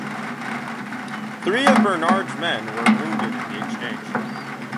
Three of Bernard's men were wounded in the exchange.